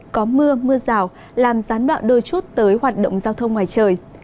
có mưa mưa rào làm gián đoạn đôi chút tới hoạt động giao thông ngoài trời